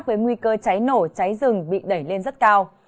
với nguy cơ cháy nổ cháy rừng bị đẩy lên rất cao